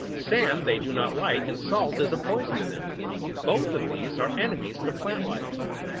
Sand they do not like, and salt is a poison to them. Both of these are enemies to plant life.